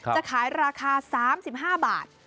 จะขายราคา๓๕บาท